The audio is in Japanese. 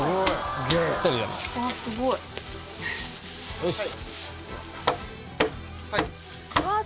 よし。